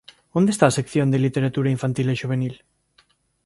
Onde está a sección de literatura infantil e xuvenil?